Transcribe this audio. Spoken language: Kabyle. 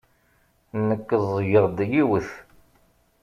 Nekk ẓẓgeɣ-d yiwet.